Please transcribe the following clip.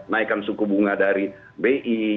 naikan suku bunga dari bi